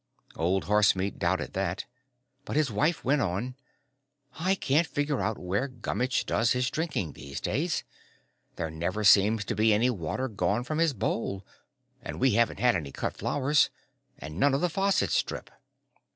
Old Horsemeat doubted that, but his wife went on, "I can't figure out where Gummitch does his drinking these days. There never seems to be any water gone from his bowl. And we haven't had any cut flowers. And none of the faucets drip."